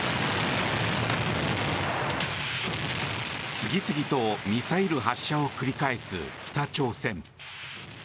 次々とミサイル発射を繰り返す北朝鮮。